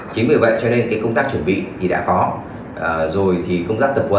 chính vì vậy cho nên cái công tác chuẩn bị thì đã có rồi thì công tác tập quấn cũng đã xong